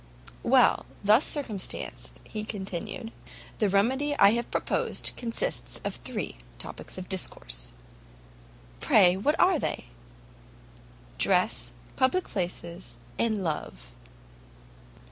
"Well, thus circumstanced," he continued, "the remedy I have to propose consists of three topics of discourse." "Pray what are they?" "Dress, public places, and love."